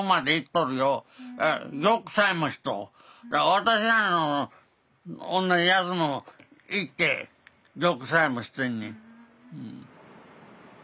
私らの同じやつも行って玉砕もしてんねん。